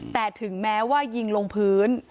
แต่ถึงแม้ว่ายิงลงพื้น